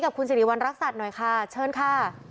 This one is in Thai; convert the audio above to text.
กับคุณสิริวัณรักษัตริย์หน่อยค่ะเชิญค่ะ